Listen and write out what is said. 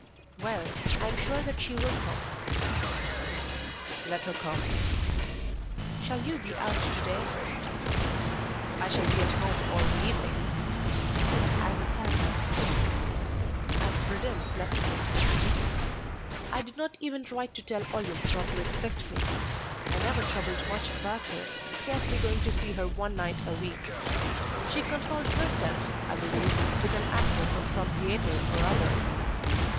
"Well, I am sure that she will come." "Let her come." "Shall you be out to day?" "I shall be at home all the evening." "I will tell her." And Prudence left me. I did not even write to tell Olympe not to expect me. I never troubled much about her, scarcely going to see her one night a week. She consoled herself, I believe, with an actor from some theatre or other.